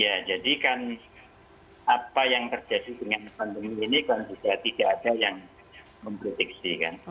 ya jadi kan apa yang terjadi dengan pandemi ini kan tidak ada yang memkritikkan